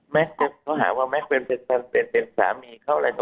แม็กซ์จะหาว่าแม็กซ์เป็นสามีเขาอะไร